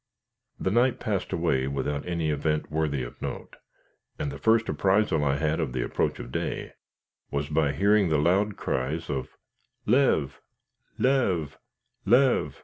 The night passed away without any event worthy of note; and the first apprisal I had of the approach of day, was by hearing loud cries of "Léve! léve! léve!"